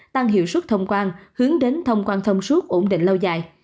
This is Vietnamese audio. tăng hiệu suất thông quan hướng đến thông quan thông suốt ổn định lâu dài